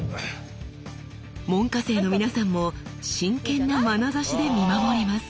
門下生の皆さんも真剣なまなざしで見守ります。